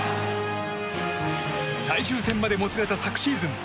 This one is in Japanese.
最終戦までもつれた昨シーズン。